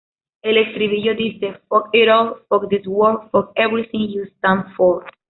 El estribillo dice: "Fuck it all, fuck this world, fuck everything you stand for.